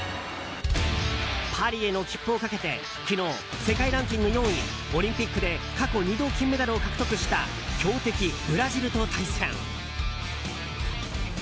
パリへの切符をかけて昨日、世界ランキング４位オリンピックで過去２度金メダルを獲得した強敵ブラジルと対戦。